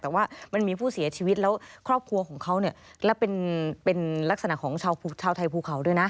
แต่ว่ามันมีผู้เสียชีวิตแล้วครอบครัวของเขาเนี่ยแล้วเป็นลักษณะของชาวไทยภูเขาด้วยนะ